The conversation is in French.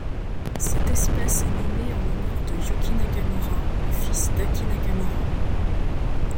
Cette espèce est nommée en l'honneur de Yuki Nakamura, le fils d'Aki Nakamura.